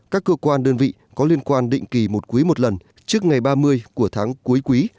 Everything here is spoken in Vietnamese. các cơ quan đơn vị có liên quan định kỳ một quý một lần trước ngày ba mươi của tháng cuối quý